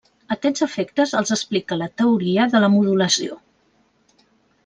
Aquests efectes els explica la teoria de la modulació.